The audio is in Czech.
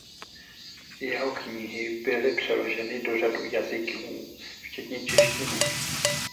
Jeho knihy byly přeloženy do řady jazyků včetně češtiny.